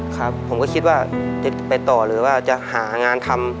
ครับผมก็คิดว่าจะไปต่อหรือว่าจะหางานทำ